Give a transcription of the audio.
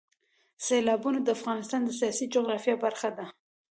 سیلابونه د افغانستان د سیاسي جغرافیه برخه ده.